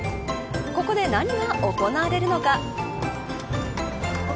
ここで何が行われるのか。